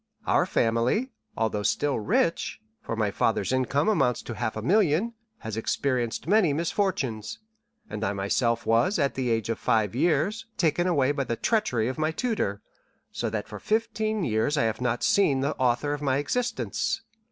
Our family, although still rich (for my father's income amounts to half a million), has experienced many misfortunes, and I myself was, at the age of five years, taken away by the treachery of my tutor, so that for fifteen years I have not seen the author of my existence.